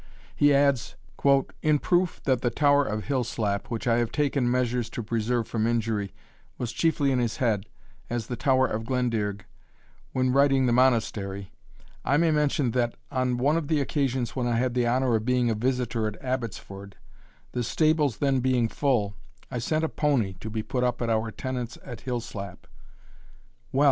He adds "In proof that the tower of Hillslap, which I have taken measures to preserve from injury, was chiefly in his head, as the tower of Glendearg, when writing the Monastery, I may mention that, on one of the occasions when I had the honour of being a visiter at Abbotsford, the stables then being full, I sent a pony to be put up at our tenant's at Hillslap: 'Well.'